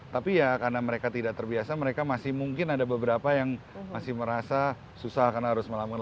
tapi ya karena mereka tidak terbiasa mereka masih mungkin ada beberapa yang masih merasa susah karena harus melakukan